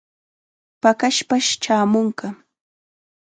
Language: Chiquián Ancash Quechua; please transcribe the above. Paqaspash chaamunqa.